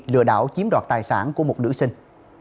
lừa đảo chiếm đoạt tài sản của một nữ sinh